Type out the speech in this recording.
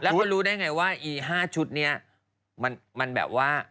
แล้วก็รู้ได้ไงว่า๕ชุดเนี่ยมันแบบว่า